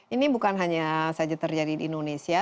ini bukan hanya saja terjadi di indonesia